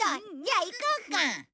じゃあ行こうか。